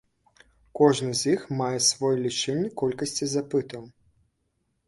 Кожны з іх мае свой лічыльнік колькасці запытаў.